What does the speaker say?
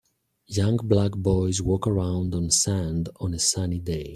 Young black boys walk around on sand on a sunny day.